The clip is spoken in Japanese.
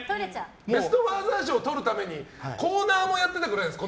ベスト・ファーザー賞をとるためにコーナーもやってたくらいです